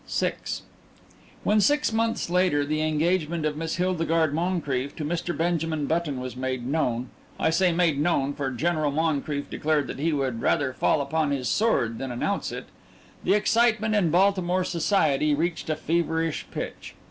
VI When, six months later, the engagement of Miss Hildegarde Moncrief to Mr. Benjamin Button was made known (I say "made known," for General Moncrief declared he would rather fall upon his sword than announce it), the excitement in Baltimore society reached a feverish pitch.